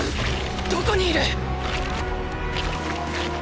どこにいる！！